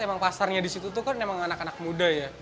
emang pasarnya di situ tuh kan emang anak anak muda ya